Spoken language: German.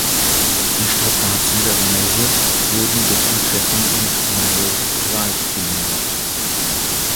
Die Strapazen der Reise wurden durch ein Treffen mit Margaret Dwight gelindert.